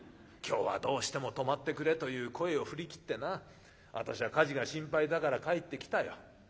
今日はどうしても泊まってくれという声を振り切ってな私は火事が心配だから帰ってきたよ。